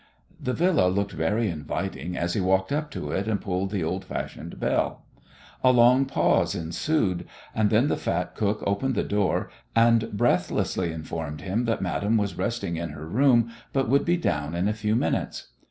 The Villa looked very inviting as he walked up to it and pulled the old fashioned bell. A long pause ensued, and then the fat cook opened the door and breathlessly informed him that Madame was resting in her room but would be down in a few minutes.